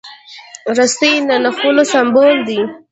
رسۍ د نښلولو سمبول ده.